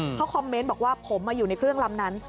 เรื่องลำนั้นนะเขาคอมเมนต์บอกว่าผมมาอยู่ในเครื่องลำนั้น